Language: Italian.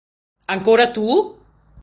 Ancora tu!